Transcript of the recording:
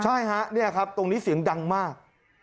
ใช่ฮะเนี่ยครับตรงนี้เสียงดังมาก